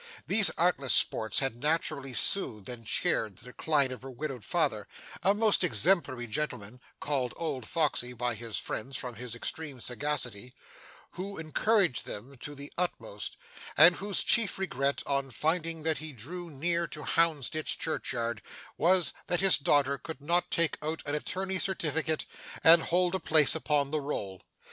These artless sports had naturally soothed and cheered the decline of her widowed father: a most exemplary gentleman (called 'old Foxey' by his friends from his extreme sagacity,) who encouraged them to the utmost, and whose chief regret, on finding that he drew near to Houndsditch churchyard, was, that his daughter could not take out an attorney's certificate and hold a place upon the roll.